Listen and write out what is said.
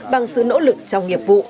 bằng sự nỗ lực trong nghiệp vụ